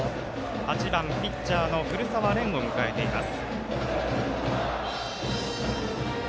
８番ピッチャーの古澤蓮を迎えています。